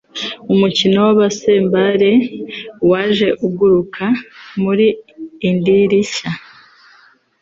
Umukino wa baseball waje uguruka mu idirishya.